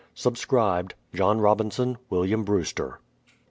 Subscribed, JOHN ROBINSON. WILLIAAI BREWSTER.